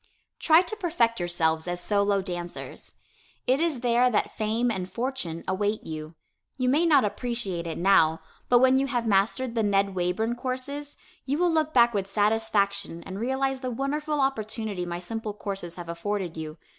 Try to perfect yourselves as solo dancers. It is there that fame and fortune await you. You may not appreciate it now, but when you have mastered the Ned Wayburn courses, you will look back with satisfaction and realize the wonderful opportunity my simple courses have afforded you.